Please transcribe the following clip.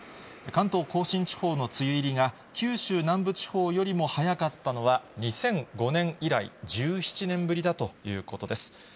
関東甲信地方の梅雨入りが、九州南部地方よりも早かったのは、２００５年以来、１７年ぶりだということです。